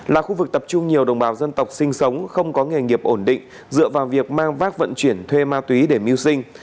là khu vực tập trung nhiều đồng bào dân tộc sinh sống không có nghề nghiệp ổn định dựa vào việc mang vác vận chuyển thuê ma túy để mưu sinh